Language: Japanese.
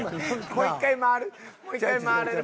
もう一回回れる？